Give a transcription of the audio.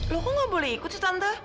loh kok nggak boleh ikut sih tante